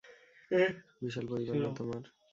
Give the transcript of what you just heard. বিশাল পরিবার না তোমার?